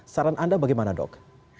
saran anda bagaimana dok